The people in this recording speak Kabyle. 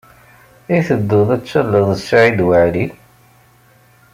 I tedduḍ ad talleḍ Saɛid Waɛli?